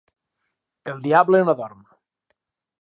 El diable no dorm.